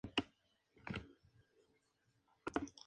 Son arbustos espinosos.